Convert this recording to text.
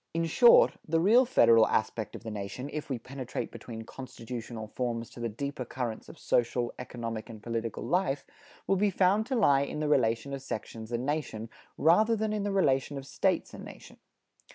In short, the real federal aspect of the nation, if we penetrate beneath constitutional forms to the deeper currents of social, economic and political life, will be found to lie in the relation of sections and nation, rather than in the relation of States and nation.